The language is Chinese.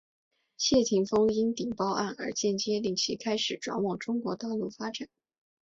谢霆锋因顶包案而间接令其开始转往中国大陆发展。